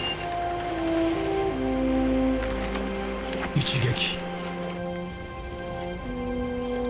一撃。